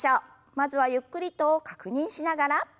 まずはゆっくりと確認しながら。